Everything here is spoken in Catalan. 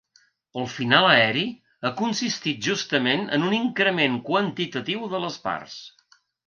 El final aeri ha consistit justament en un increment quantitatiu de les parts.